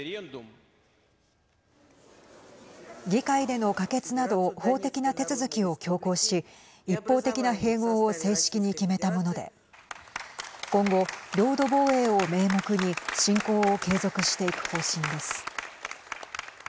議会での可決など法的な手続きを強行し一方的な併合を正式に決めたもので今後、領土防衛を名目に侵攻を継続していく方針です。